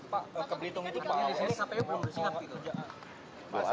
pak kebelitung itu pak hoi kpu belum bersinggat